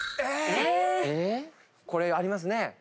これありますね。